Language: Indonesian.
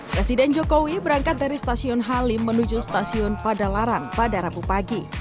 presiden jokowi berangkat dari stasiun halim menuju stasiun padalarang pada rabu pagi